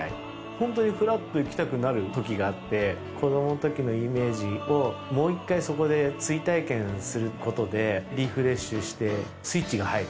ホントにふらっと行きたくなるときがあって子どもんときのイメージをもう１回そこで追体験することでリフレッシュしてスイッチが入る。